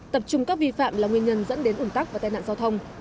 tập trung các vi phạm là nguyên nhân dẫn đến ủng tắc và tai nạn giao thông